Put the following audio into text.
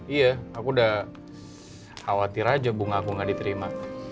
iya aku udah khawatir aja bunga aku gak diterima